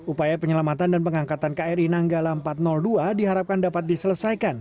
upaya penyelamatan dan pengangkatan kri nanggala empat ratus dua diharapkan dapat diselesaikan